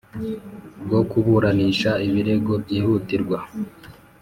bwo kuburanisha ibirego byihutirwa